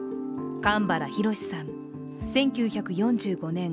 蒲原宏さん、１９４５年